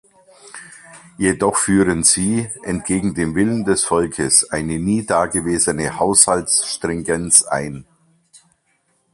Jedoch führen Sie, entgegen dem Willen des Volkes, eine nie dagewesene Haushalts-Stringenz ein.